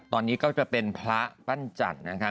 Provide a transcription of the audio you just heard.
ตอนนี้ก็จะเป็นพระพันธชันนะคะ